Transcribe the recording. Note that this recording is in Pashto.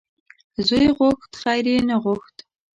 زوی یې غوښت خیر یې نه غوښت .